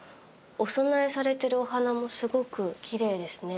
お供えされてるお花もすごくきれいですね。